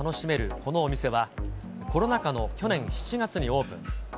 このお店は、コロナ禍の去年７月にオープン。